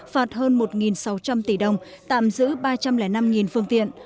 phạt hơn một sáu trăm linh tỷ đồng tạm giữ ba trăm linh năm phương tiện